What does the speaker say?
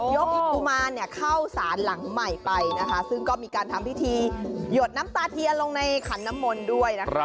กุมารเข้าสารหลังใหม่ไปนะคะซึ่งก็มีการทำพิธีหยดน้ำตาเทียนลงในขันน้ำมนต์ด้วยนะคะ